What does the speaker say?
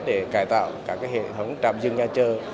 để cải tạo các hệ thống trạm dừng nhà chờ